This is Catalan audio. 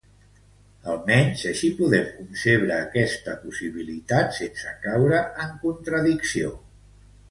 Almenys, així podem concebre esta possibilitat sense caure en contradicció.